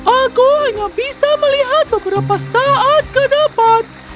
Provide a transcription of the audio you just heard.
aku hanya bisa melihat beberapa saat kedepan